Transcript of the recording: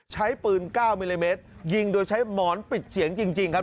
ใช้ปืน๙มิลลิเมตรยิงโดยใช้หมอนปิดเสียงจริงครับ